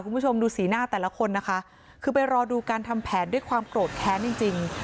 คุณผู้ชมดูสีหน้าแต่ละคนนะคะคือไปรอดูการทำแผนด้วยความโกรธแค้นจริงจริง